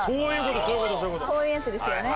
こういうやつですよね？